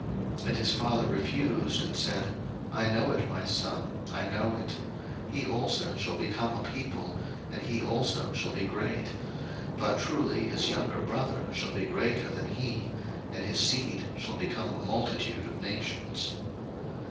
01:048:019 And his father refused, and said, I know it, my son, I know it: he also shall become a people, and he also shall be great: but truly his younger brother shall be greater than he, and his seed shall become a multitude of nations.